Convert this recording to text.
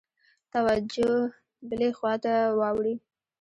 توجه بلي خواته واوړي.